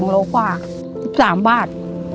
โลกว่า๑๓บาท